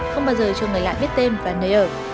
không bao giờ cho người lạ biết tên và nơi ở